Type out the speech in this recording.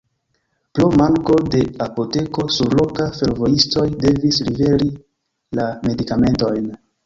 Pro manko de apoteko surloka fervojistoj devis liveri la medikamentojn.